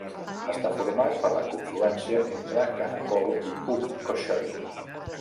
Està format per la confluència entre Karakol i Uch-Koshoy.